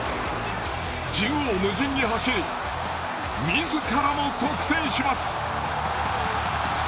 縦横無尽に走り自らも得点します。